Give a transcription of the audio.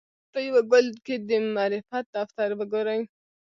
په یوه ګل کې دې د معرفت دفتر وګوري.